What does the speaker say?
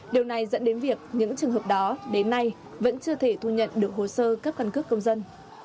điều này dẫn đến việc những trường hợp đó đến nay vẫn chưa thể thu nhận được hồ sơ cấp căn cước công dân